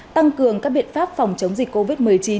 tăng cường các biện pháp phòng chống dịch covid một mươi chín